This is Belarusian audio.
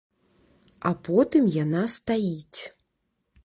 А потым яна стаіць.